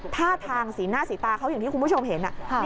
ท่าทางสีหน้าสีตาเขาอย่างที่คุณผู้ชมเห็น